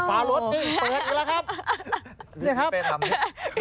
อ้าวพอรถนี่เปิดอีกแล้วครับนี่ครับพี่ดินเป้ทำนี่